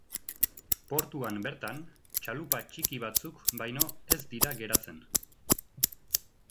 Portuan bertan, txalupa txiki batzuk baino ez dira geratzen.